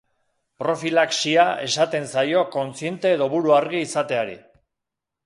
Profilaxia esaten zaio kontziente edo buru-argi izateari.